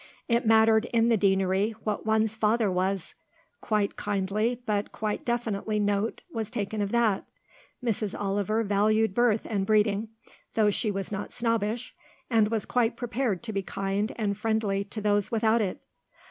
It mattered in the Deanery what one's father was; quite kindly but quite definitely note was taken of that; Mrs. Oliver valued birth and breeding, though she was not snobbish, and was quite prepared to be kind and friendly to those without it.